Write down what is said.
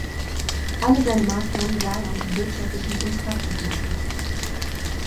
Alle seine Maßnahmen sah er unter wirtschaftlichen und praktischen Aspekten.